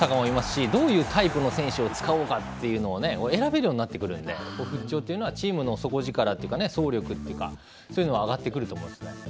どういうタイプの選手を使おうかというのを選べるようになってくるのでチームの底力というか総力というかそういうのが上がってくると思いますね。